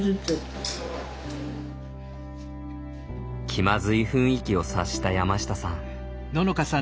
気まずい雰囲気を察した山下さん。